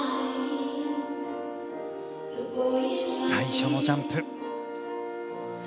最初のジャンプ。